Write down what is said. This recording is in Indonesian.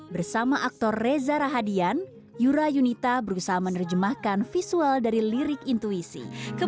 bersama aktor reza rahadian yura yunita berusaha menerjemahkan visual dari lirik intuisi